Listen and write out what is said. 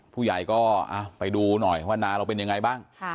ผู้ใหญ่ก็ไปดูหน่อยว่านาเราเป็นยังไงบ้าง